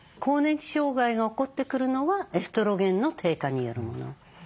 更年期障害が起こってくるのはエストロゲンの低下によるもの。